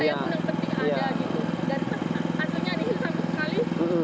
dan hasilnya ini sekali